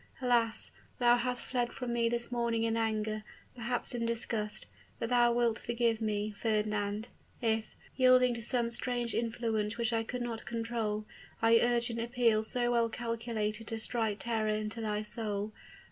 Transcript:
Alas, thou hast fled from me this morning in anger perhaps in disgust. But thou wilt forgive me, Fernand, if, yielding to some strange influence which I could not control, I urged an appeal so well calculated to strike terror into thy soul.